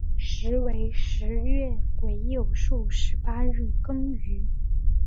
时为十月癸酉朔十八日庚寅。